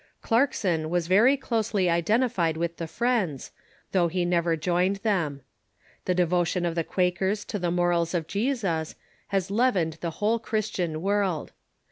Clarkson was very closely identified with the Friends, though he never joined them. The devotion of the Quakers to the morals of Jesus has leavened the whole Christian world.